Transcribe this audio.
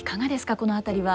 この辺りは。